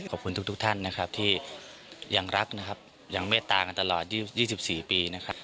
ขอบคุณทุกท่านนะครับที่ยังรักนะครับยังเมตตากันตลอด๒๔ปีนะครับ